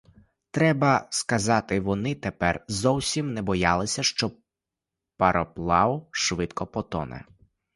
Треба сказати, вони тепер зовсім не боялися, що пароплав швидко потоне.